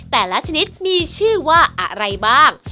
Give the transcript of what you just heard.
แต่ละชนิดมีชื่อว่าอะไรบ้าง